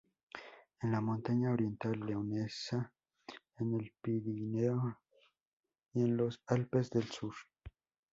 En la Montaña Oriental Leonesa, en el Pirineo y en los Alpes del sur.